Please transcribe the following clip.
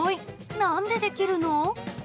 なんでできるの？